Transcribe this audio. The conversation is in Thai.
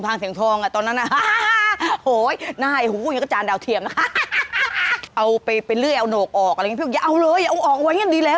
พี่บอกอย่าเอาเลยอย่าเอาออกเอาไว้อย่างนี้ดีแล้ว